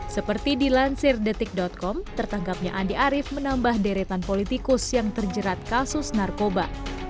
seperti dilansir detik com tertangkapnya andi arief menambah deretan politikus yang terjerat kasus narkoba